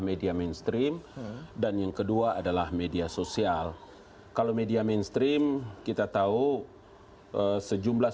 media mainstream dan yang kedua adalah media sosial kalau media mainstream kita tahu sejumlah